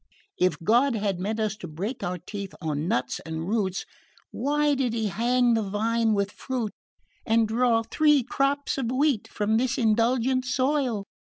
If God had meant us to break our teeth on nuts and roots, why did He hang the vine with fruit and draw three crops of wheat from this indulgent soil?